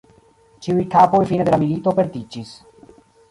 Ĉiuj kapoj fine de la milito perdiĝis.